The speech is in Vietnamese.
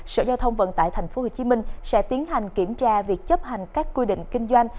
sở giao thông vận tải tp hcm sẽ tiến hành kiểm tra việc chấp hành các quy định kinh doanh